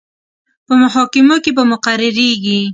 په محاکمو کې به مقرریږي.